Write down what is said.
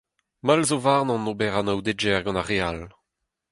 Mall zo warnon ober anaoudegezh gant ar re all.